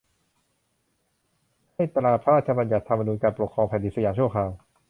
ให้ตราพระราชบัญญัติธรรมนูญการปกครองแผ่นดินสยามชั่วคราว